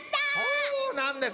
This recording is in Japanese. そうなんです。